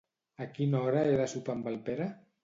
A quina hora he de sopar amb el Pere?